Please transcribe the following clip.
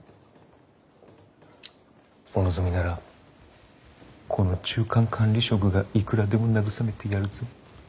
お望みならこの中間管理職がいくらでも慰めてやるぞ。